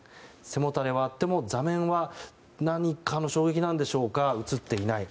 背もたれはあっても座面は何かの衝撃なんでしょうか写っていない。